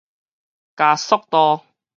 加速度